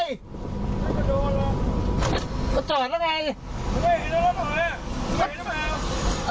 มึงไม่เห็นแล้วยังไม่เห็นรึเปล่า